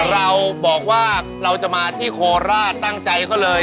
เราบอกว่าเราจะมาที่โคราชตั้งใจเขาเลย